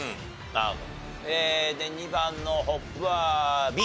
なるほど。